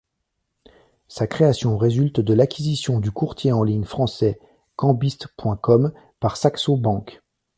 Sa création résulte de l’acquisition du courtier en ligne français Cambiste.com par Saxo Bank.